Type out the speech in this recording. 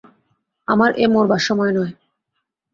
আমার এ মরবার সময় নয়।